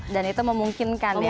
dan itu memungkinkan ya